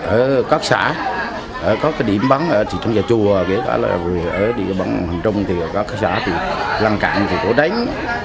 ở các xã có cái điểm bắn ở thị trấn chợ chùa ở địa bàn hành trung thì có các xã thì lăn cạn thì có đánh